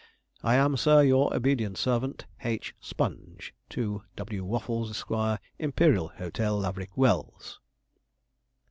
'I am, Sir, your obedient servant, 'H. SPONGE. 'To W. WAFFLES, Esq., 'Imperial Hotel, Laverick Wells.'